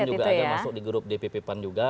dan di luki hakim juga ada masuk di grup dpp pan juga